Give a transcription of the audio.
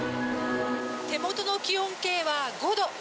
手元の気温計は５度。